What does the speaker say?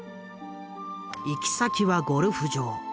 行き先はゴルフ場。